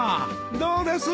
どうです？